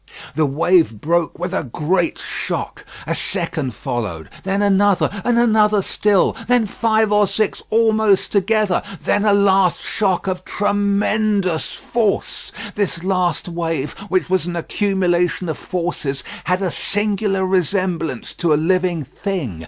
The wave broke with a great shock; a second followed; then another and another still; then five or six almost together; then a last shock of tremendous force. This last wave, which was an accumulation of forces, had a singular resemblance to a living thing.